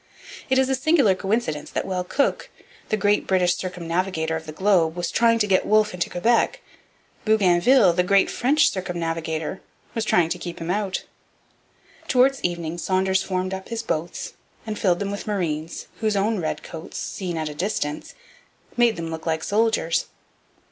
It is a singular coincidence that while Cook, the great British circumnavigator of the globe, was trying to get Wolfe into Quebec, Bougainville, the great French circumnavigator, was trying to keep him out. Towards evening Saunders formed up his boats and filled them with marines, whose own red coats, seen at a distance, made them look like soldiers.